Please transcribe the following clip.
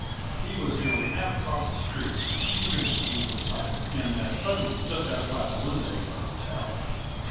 He was nearly half across the street when two men came into sight and met suddenly just outside a window of the hotel.